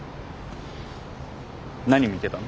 何見てたの？